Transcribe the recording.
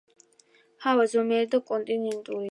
ჰავა ზომიერი და კონტინენტურია.